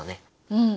うん。